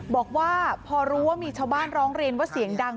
บอกว่าพอรู้ว่ามีชาวบ้านร้องเรียนว่าเสียงดัง